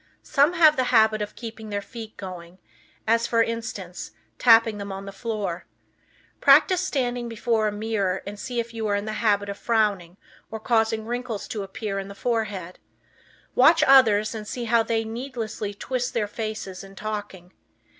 Some have the habit of keeping their feet going, as, for instance, tapping them on the floor. Practice standing before a mirror and see if you are in the habit of frowning or causing wrinkles to appear in the forehead. Watch others and see how they needlessly twist their faces in talking.